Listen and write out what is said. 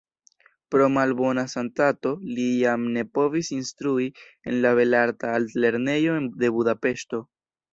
Pro malbona sanstato li jam ne povis instrui en la Belarta Altlernejo de Budapeŝto.